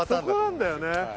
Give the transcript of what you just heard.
そこなんだよね。